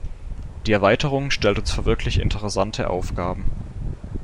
Die Erweiterung stellt uns vor wirklich interessante Aufgaben.